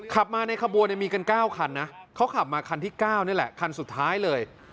ขับมาในขบวนมีกัน๙คันนะเขาขับมาคันที่๙นี่แหละคันสุดท้ายเลย